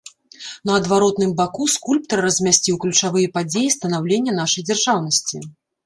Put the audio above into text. На адваротным баку скульптар размясціў ключавыя падзеі станаўлення нашай дзяржаўнасці.